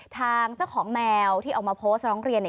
ทางเจ้าของแมวที่ออกมาโพสต์ร้องเรียนเนี่ย